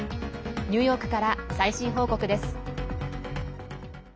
ニューヨークから最新報告です。